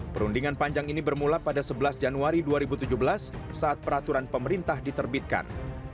perundingan panjang ini bermula pada sebelas januari dua ribu tujuh belas saat peraturan pemerintah diterbitkan